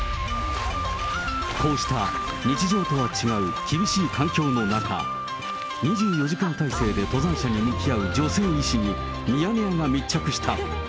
こうした日常とは違う厳しい環境の中、２４時間体制で登山者に向き合う女性医師に、ミヤネ屋が密着した。